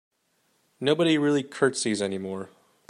Nobody really curtsies anymore.